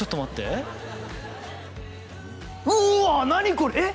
これえっ？